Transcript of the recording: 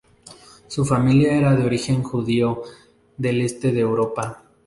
Su familia era de origen judío del este de Europa.